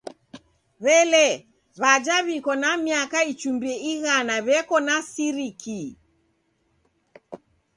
W'elee, w'aja w'iko na miaka ichumbie ighana w'eko na siriki?